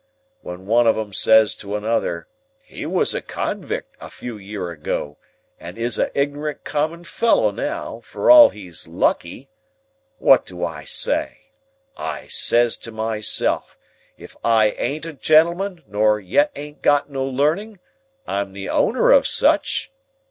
When one of 'em says to another, 'He was a convict, a few year ago, and is a ignorant common fellow now, for all he's lucky,' what do I say? I says to myself, 'If I ain't a gentleman, nor yet ain't got no learning, I'm the owner of such.